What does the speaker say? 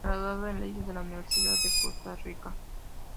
Graduado en Leyes en la Universidad de Costa Rica.